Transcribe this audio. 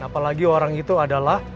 apalagi orang itu adalah